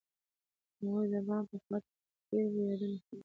هغوی د بام په خوا کې تیرو یادونو خبرې کړې.